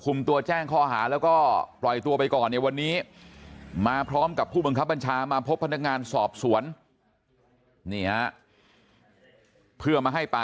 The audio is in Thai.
ค่ะค่ะค่ะค่ะค่ะค่ะค่ะค่ะค่ะค่ะค่ะค่ะค่ะค่ะค่ะค่ะค่ะ